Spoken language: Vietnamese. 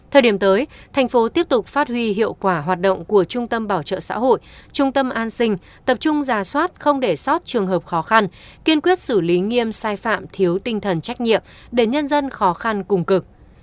thời điểm tới thành phố tiếp tục phát huy hiệu quả hoạt động của trung tâm bảo trợ xã hội trung tâm an sinh tập trung giả soát không để sót trường hợp khó khăn kiên quyết xử lý nghiêm sai phạm thiếu tinh thần trách nhiệm để nhân dân khó khăn cùng cực